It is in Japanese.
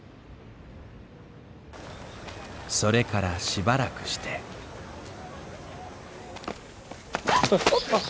それからしばらくしてあっ！